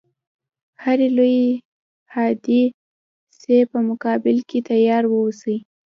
هري لويي حادثې په مقابل کې تیار و اوسي.